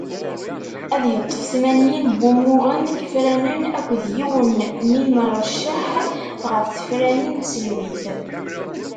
Ad yeṭṭef tmanyin n wumuɣen ifranen akked yiwen n yimrecceḥ ɣer tefranin n tselwit.